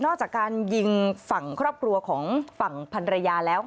จากการยิงฝั่งครอบครัวของฝั่งพันรยาแล้ว